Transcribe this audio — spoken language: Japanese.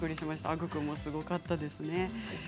アグ君もすごかったですね。